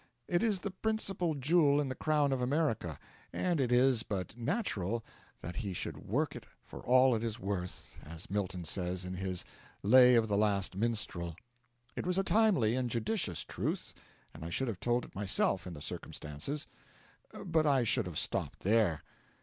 It is the principal jewel in the crown of America, and it is but natural that we should work it for all it is worth, as Milton says in his 'Lay of the Last Minstrel.' It was a timely and judicious truth, and I should have told it myself in the circumstances. But I should have stopped there.